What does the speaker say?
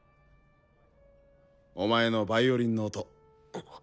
お前のヴァイオリンの音。